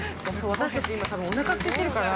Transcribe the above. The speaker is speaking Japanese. ◆私たち今おなかすいてるから。